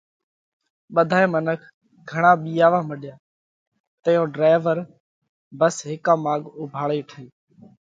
ٻڌائي منک گھڻا ٻِيئاوا مڏيا تئيون ڍرائيور ڀس هيڪا ماڳ اُوڀاڙئي هٺئِي۔